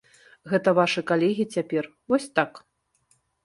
Гэта вашы калегі цяпер, вось так.